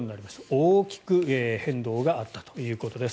大きく変動があったということです。